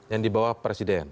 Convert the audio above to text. yang dibawa presiden